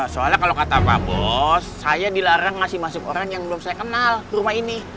soalnya kalau kata pak bos saya dilarang ngasih masuk orang yang belum saya kenal ke rumah ini